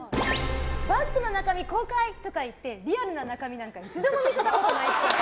バッグの中身公開！とか言ってリアルな中身なんか一度も見せたことないっぽい。